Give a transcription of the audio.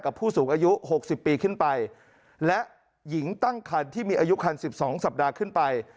กับผู้สูงอายุหกสิบปีขึ้นไปและหญิงตั้งครรภ์ที่มีอายุครรภ์สิบสองสัปดาห์ขึ้นไป